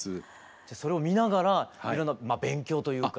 じゃそれを見ながらいろんな勉強というか。